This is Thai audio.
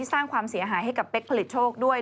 สร้างความเสียหายให้กับเป๊กผลิตโชคด้วย